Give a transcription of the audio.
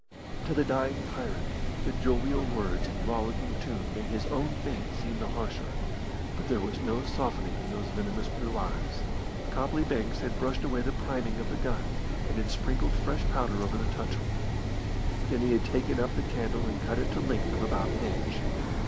To the dying pirate the jovial words and rollicking tune made his own fate seem the harsher, but there was no softening in those venomous blue eyes. Copley Banks had brushed away the priming of the gun, and had sprinkled fresh powder over the touch hole. Then he had taken up the candle and cut it to the length of about an inch.